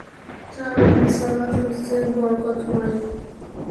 তাঁর রিসালত হচ্ছে বরকতময়।